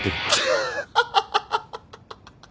ハハハハ！